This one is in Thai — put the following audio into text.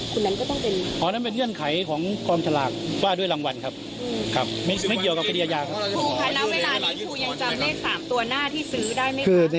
ครูคะแล้วเวลานี้ครูยังจำได้๓ตัวหน้าที่ซื้อได้ไหมคะ